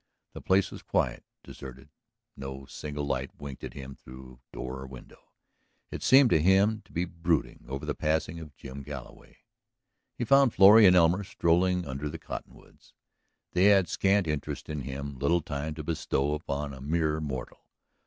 The place was quiet, deserted. No single light winked at him through door or window. It seemed to him to be brooding over the passing of Jim Galloway. He found Florrie and Elmer strolling under the cottonwoods. They had scant interest in him, little time to bestow upon a mere mortal.